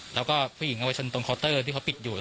แล้วก็ผู้หญิงเอาไปชนตรงที่เขาปิดอยู่